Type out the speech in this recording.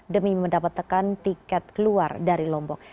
demi mendapatkan tiket keluar dari lombok